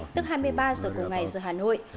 tức hai mươi ba giờ cùng ngày giờ hà nội